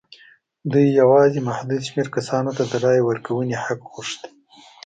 دوی یوازې محدود شمېر کسانو ته د رایې ورکونې حق غوښت.